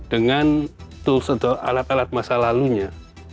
dengan tools atau alat alat masa lalunya